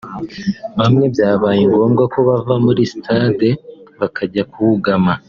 bamwe byabaye ngombwa ko bava muri sitade bakajya kugama